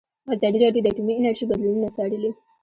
ازادي راډیو د اټومي انرژي بدلونونه څارلي.